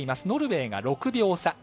ノルウェーが６秒差。